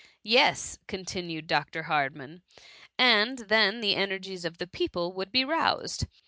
*"<* Yes,'' continued Dr. Hardman :" and then the energies of the people would be roused.